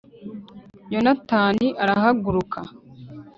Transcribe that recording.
yonatani arahaguruka